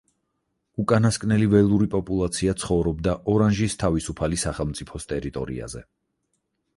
უკანასკნელი ველური პოპულაცია ცხოვრობდა ორანჟის თავისუფალი სახელმწიფოს ტერიტორიაზე.